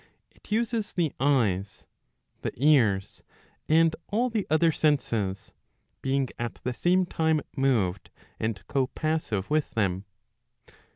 it uses the eyes, the ears, and all the other Senses, being at the same time moved and co passive with them.